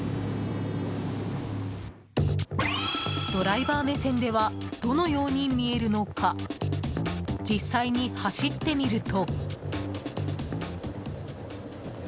ドライバー目線ではどのように見えるのか実際に走ってみると。